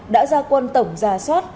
đã ra quân tổng giả soát